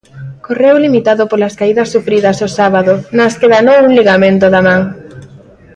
Correu limitado polas caídas sufridas o sábado, nas que danou un ligamento da man.